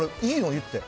言って。